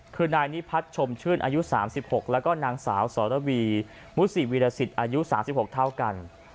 คือนายนิพัฒน์ชมชื่นอายุ๓๖แล้วก็นางสาวสรวีมุสิวีรสิตอายุ๓๖เท่ากัน